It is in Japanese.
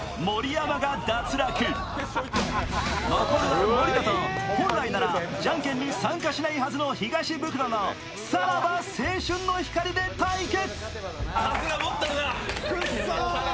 残るは森田と、本来ならじゃんけんに参加しないはずの東ブクロのさらば青春の光で対決！